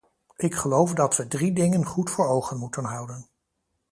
Ik geloof dat we drie dingen goed voor ogen moeten houden.